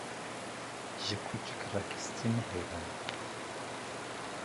Ji kûçik re hestî nehêlin.